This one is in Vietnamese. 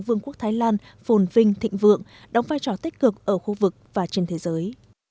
vương quốc thái lan phồn vinh thịnh vượng đóng vai trò tích cực ở khu vực và trên thế giới